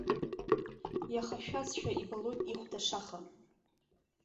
Иахашәазшәа ибалоит ихәда ашаха.